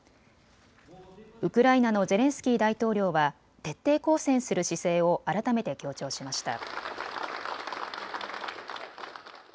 ウクライナのゼレンスキー大統領は徹底抗戦する姿勢を改めて強調しました。